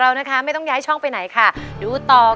วันนี้เขาขึ้นยืนร้องเพลงมันเป็นภาพที่มีความสุขนะ